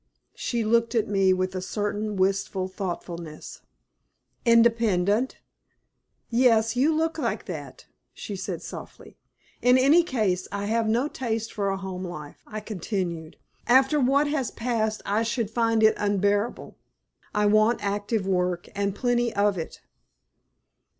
She looked at me with a certain wistful thoughtfulness. "Independent? Yes, you look like that," she said, softly. "In any case I have no taste for a home life," I continued. "After what has passed I should find it unbearable. I want active work, and plenty of it."